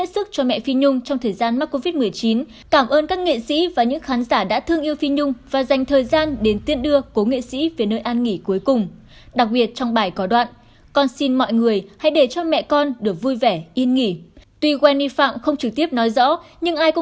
xin chào và hẹn gặp lại trong các bản tin tiếp theo